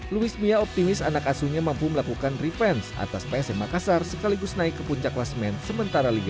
luismia optimis anak asunya mampu melakukan revans atas psm makassar sekaligus naik ke puncak last man sementara liga satu